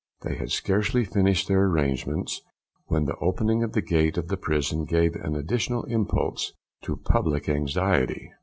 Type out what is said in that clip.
They had scarcely finished their arrangements, when the opening of the gate of the prison gave an additional impulse to public anxiety.